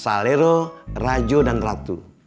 salero rajo dan ratu